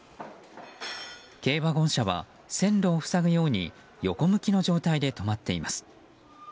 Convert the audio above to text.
軽ワゴン車は線路を塞ぐように横向きの状態で止まっています。